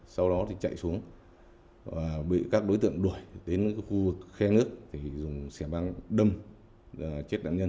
sau đó thì chạy xuống và bị các đối tượng đuổi đến cái khu khe nước thì sẽ mang đâm và chết nạn nhân